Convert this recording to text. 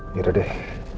ya udah deh